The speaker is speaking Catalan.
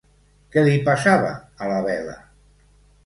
Què li passava a la vela?